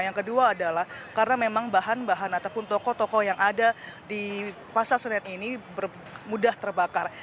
yang kedua adalah karena memang bahan bahan ataupun toko toko yang ada di pasar senen ini mudah terbakar